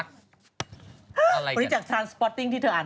อันนี้จากทรานสปอตติ้งที่เธออ่าน